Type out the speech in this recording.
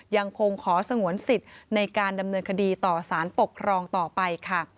ยังคงขอสงวนสิทธิ์ในการดำเนินคดีต่อสารปกครองต่อไปค่ะ